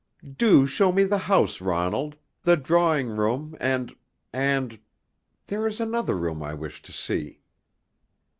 "Do show me the house, Ronald the drawing room, and and there is another room I wish to see."